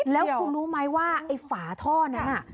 แล้วคุณรู้ไหมว่าไอ้ฝาท่อนั้นน่ะ